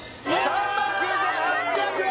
３万９８００円！